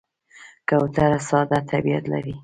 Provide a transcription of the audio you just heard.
کوتره ساده طبیعت لري.